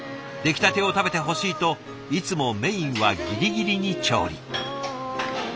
出来たてを食べてほしいといつもメインはギリギリに調理。